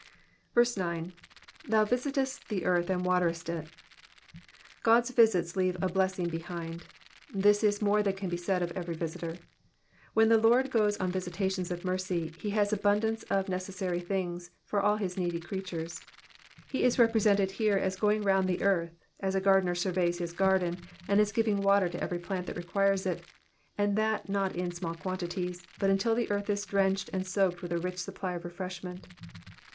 Digitized by VjOOQIC PSALli THB SIXTY FIFTH, 165 9. ^*Thou fdsitest the earthy and waterest i^/' God^s visits leave a blessing behind ; this is more than can be said of every visitor. When the Lord goes on visitations of mercy, he has abundance of necessary things for all his needy creatures. Me is represented here as going round the earth, as a gardener sur veys his garden, and as giving water to every plant that requires it, and that not in small quantities, but until the earth is drenched and soaked with a rich supply of refreshment.